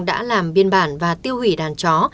đã làm biên bản và tiêu hủy đàn chó